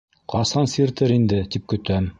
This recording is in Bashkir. Ҡасан сиртер инде, тип көтәм.